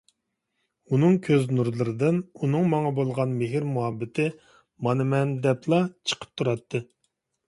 ئۇنىڭ كۆز نۇرلىرىدىن ئۇنىڭ ماڭا بولغان مېھىر-مۇھەببىتى مانا مەن دەپلا چىقىپ تۇراتتى.